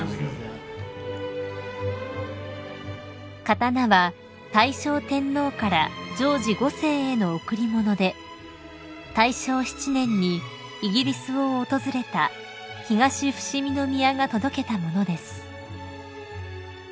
［刀は大正天皇からジョージ５世への贈り物で大正７年にイギリスを訪れた東伏見宮が届けた物です］